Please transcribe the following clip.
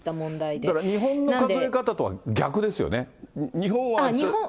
だから日本の考え方とは逆ですよね。